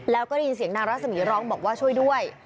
แล้วก็ได้ยินเสียงนางรัศมีร้องบอกว่าช่วยด้วย